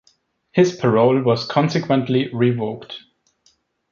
His parole was consequently revoked.